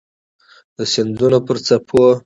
د سیندونو پر څپو